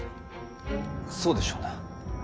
そうでしょうな。